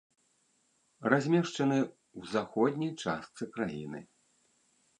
Размешчаны ў заходняй частцы краіны.